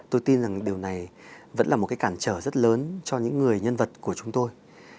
tôi tin rằng điều này vẫn là một cái cản trở rất lớn cho những người nhân vật của chúng tôi